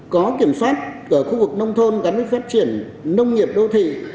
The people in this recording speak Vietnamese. có kiểm soát ở khu vực nông thôn gắn với phát triển nông nghiệp đô thị